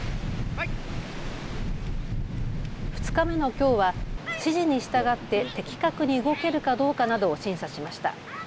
２日目のきょうは指示に従って的確に動けるかどうかなどを審査しました。